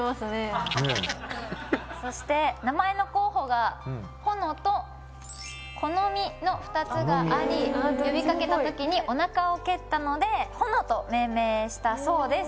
そして名前の候補がほのとこのみの２つがあり呼びかけたときにお腹を蹴ったのでほのと命名したそうです。